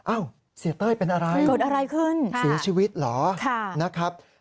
อ้าวเสียเต้ยเป็นอะไรเสียชีวิตเหรอนะครับค่ะ